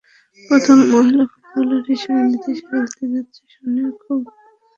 প্রথম মহিলা ফুটবলার হিসেবে বিদেশে খেলতে যাচ্ছি শুনে খুব খুশি আমার বাবা-মা।